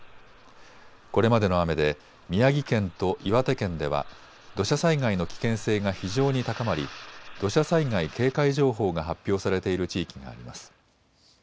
これまでの雨で宮城県と岩手県では土砂災害の危険性が非常に高まり土砂災害警戒情報が発表されている地域があります。